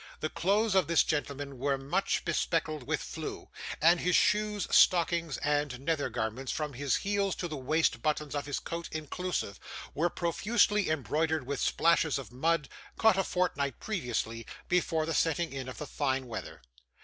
The clothes of this gentleman were much bespeckled with flue; and his shoes, stockings, and nether garments, from his heels to the waist buttons of his coat inclusive, were profusely embroidered with splashes of mud, caught a fortnight previously before the setting in of the fine weather.